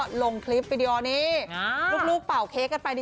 ทั้งสองเนี่ยแฮปปี้